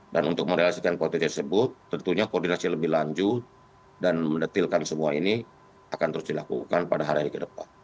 dan untuk merealisasikan potensi tersebut tentunya koordinasi lebih lanjut dan mendetilkan semua ini akan terus dilakukan pada hari yang ke depan